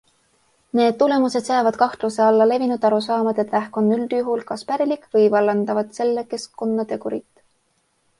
Need tulemused seavad kahtluse alla levinud arusaamad, et vähk on üldjuhul kas pärilik või vallandavad selle keskkonnategurid.